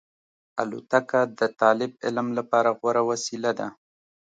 الوتکه د طالب علم لپاره غوره وسیله ده.